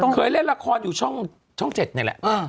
เคยเล่นละครอยู่ช่อง๗นี่แหละ